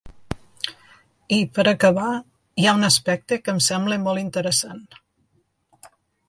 I, per acabar, hi ha un aspecte que em sembla molt interessant.